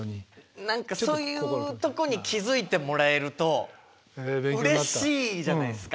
何かそういうとこに気付いてもらえるとうれしいじゃないですか。